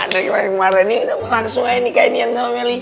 dari kemarin udah melaksanain nikahin nyan sama meli